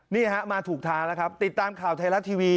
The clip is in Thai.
นี่ฮะมาถูกทางแล้วครับติดตามข่าวไทยรัฐทีวี